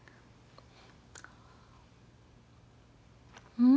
うん！